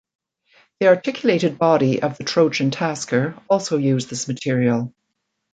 The articulated body of the Trojan Tasker also used this material.